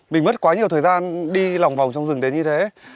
mình mất quá nhiều thời gian đi lòng vòng trong rừng đến như thế